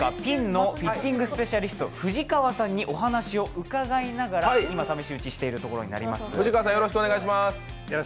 ＰＩＮＧのフィッティングスペシャリスト藤川さんにお話を伺いながら今、試し打ちをされているところです。